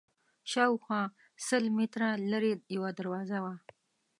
شاوخوا سل متره لرې یوه دروازه وه.